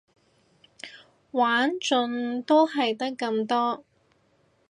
玩盡都係得咁多